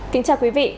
kính chào quý vị